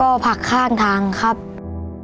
ทำเป็นผู้สาเชื่อมให้น้องรักปั่นจักรยานไปขายตามหมู่บ้านค่ะ